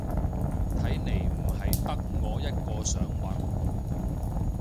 睇嚟唔係得我一個想搵